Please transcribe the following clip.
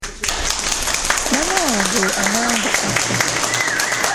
Maama wange ye Ananga Asha.